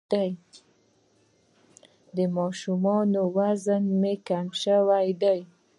د ماشوم وزن مي کم سوی دی.